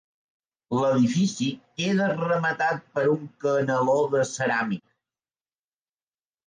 L'edifici queda rematat per un caneló de ceràmica.